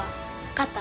勝った？